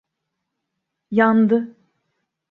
Yandı.